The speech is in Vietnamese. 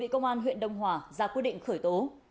cơ quan huyện đông hòa ra quy định khởi tố